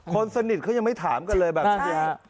คนสนิทเขายังไม่ถามกันเลยแบบนี้ฮะ